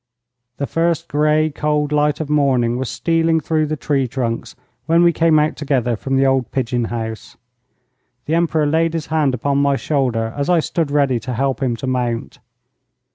The first grey cold light of morning was stealing through the tree trunks when we came out together from the old pigeon house. The Emperor laid his hand upon my shoulder as I stood ready to help him to mount.